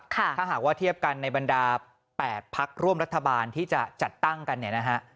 ถ้าหากว่าเทียบกันในบรรดา๘พักร่วมรัฐบาลที่จะจัดตั้งกันเนี่ยนะฮะ